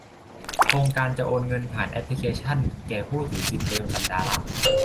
โครงการจะโอนเงินผ่านแอปพลิเคชัน แก่ผู้ถือสิทธิเดิม สัปดาห์ละ